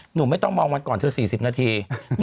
ไม่ต้องมองวันก่อนเธอ๔๐นาที